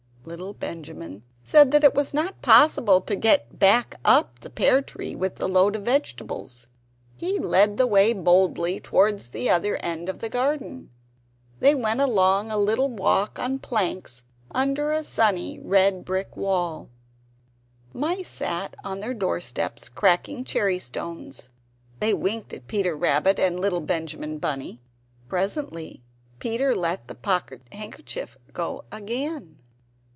Little Benjamin said that it was not possible to get back up the pear tree with a load of vegetables. He led the way boldly towards the other end of the garden. They went along a little walk on planks, under a sunny, red brick wall. The mice sat on their doorsteps cracking cherry stones; they winked at Peter Rabbit and little Benjamin Bunny. Presently Peter let the pocket handkerchief go again.